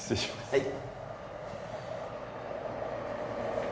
はい